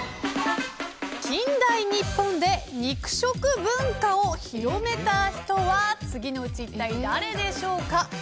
近代日本で肉食文化を広めた人は次のうち一体誰でしょうか。